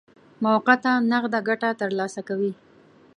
موقته نقده ګټه ترلاسه کوي.